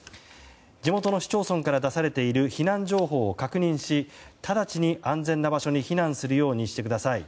地元の市町村から出されている避難情報を確認し直ちに安全な場所に避難するようにしてください。